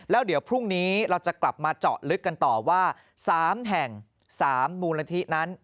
แล้วเดี๋ยวพรุ่งนี้เราจะกลับมาเจาะลึกกันต่อว่า๓แห่ง๓มูลนิธินั้น